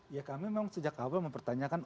ya kami memang sejak awal mempertanyakan